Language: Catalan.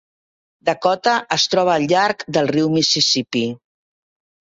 Dakota es troba al llarg del riu Mississipí.